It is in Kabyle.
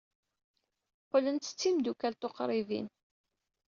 Qqlent d timeddukal tuqribin.